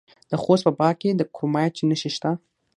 د خوست په باک کې د کرومایټ نښې شته.